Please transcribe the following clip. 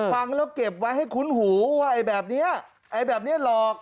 ฟังแล้วเก็บไว้ให้คุ้นหูว่าไอ้แบบนี้ไอ้แบบนี้หลอก